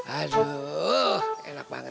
aduh enak banget